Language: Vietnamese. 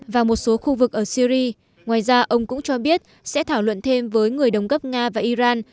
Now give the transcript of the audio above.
và một số khu vực ở syri ngoài ra ông cũng cho biết sẽ thảo luận thêm với người đồng cấp nga và iran